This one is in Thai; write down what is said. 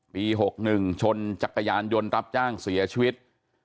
๖๑ชนจักรยานยนต์รับจ้างเสียชีวิต